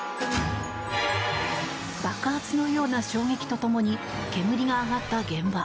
爆発のような衝撃とともに煙が上がった現場。